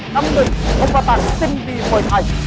น้ำหนึ่งพรุ่งประตักซึ่งมีปล่อยไทย